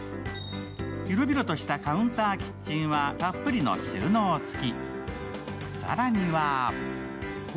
広々としたカウンターキッチンはたっぷりの収納付き。